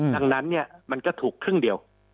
ดังนั้นมันก็ถูกครึ่งเดียว